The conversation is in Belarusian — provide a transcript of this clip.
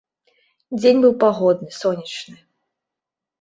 Дзень быў пагодны, сонечны.